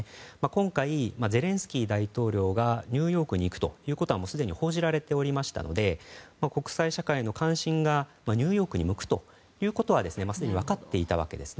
今回、ゼレンスキー大統領がニューヨークに行くということはすでに報じられていましたので国際社会の関心がニューヨークに向くということはすでに分かっていたわけです。